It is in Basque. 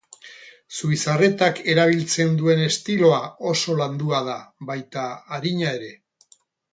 Zubizarretak erabiltzen duen estiloa oso landua da, baita arina ere.